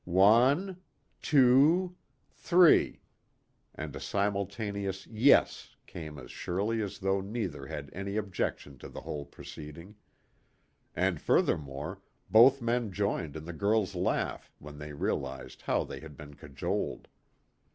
"One two three!" And a simultaneous "Yes" came as surely as though neither had any objection to the whole proceeding. And furthermore, both men joined in the girl's laugh when they realized how they had been cajoled.